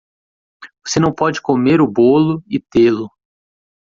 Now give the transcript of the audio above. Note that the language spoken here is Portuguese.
Você não pode comer o bolo e tê-lo